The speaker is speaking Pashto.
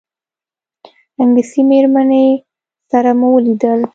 انګلیسي مېرمنې سره مو ولیدل.